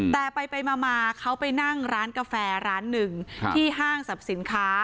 แต่ไปมาเขาไปนั่งร้านกาแฟร้านหนึ่งที่ห้างสรรพสินค้า